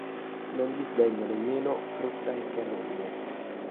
Non disdegna nemmeno frutta e carogne.